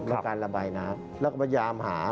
ในการระบายน้ำแล้วก็พยายามหา